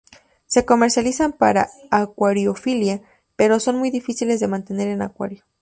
Se comercializan para acuariofilia, pero son muy difíciles de mantener en acuario.